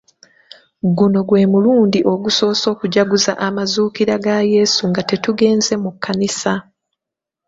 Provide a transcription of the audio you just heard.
Guno gwe mulundi ogusoose okujaguza amazuukira ga yesu nga tetugenze mu kkanisa.